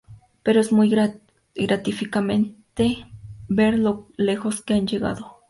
Pero es muy gratificante ver lo lejos que han llegado"".